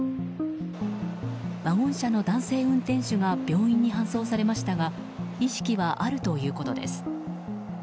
ワゴン車の男性運転手が病院に搬送されましたが意識はあるということです。